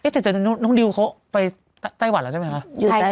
แต่น้องดิวเขาไปไต้หวันแล้วใช่ไหมคะ